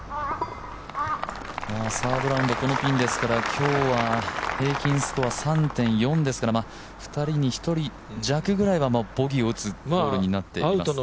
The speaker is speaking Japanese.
サードラウンドこのピンですから今日は平均スコア３．４ですから、２人に１人弱ぐらいはボギーを打つホールになってます。